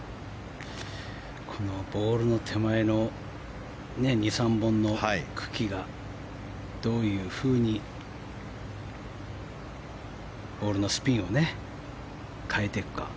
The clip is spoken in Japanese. このボールの手前の２３本の茎がどういうふうにボールのスピンを変えていくか。